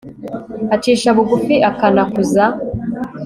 acisha bugufi, akanakuza